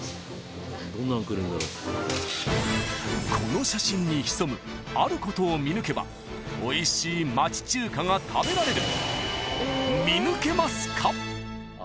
［この写真に潜むあることを見抜けばおいしい町中華が食べられる］